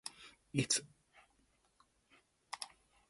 It occupies the highest point of the village, overlooking the village green.